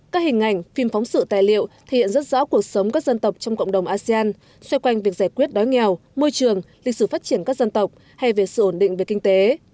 các hình ảnh phim phóng sự tài liệu thể hiện rất rõ cuộc sống các dân tộc trong cộng đồng asean xoay quanh việc giải quyết đói nghèo môi trường lịch sử phát triển các dân tộc hay về sự ổn định về kinh tế